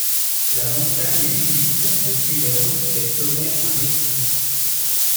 La montagne est visible depuis la route des Sommets en Estrie.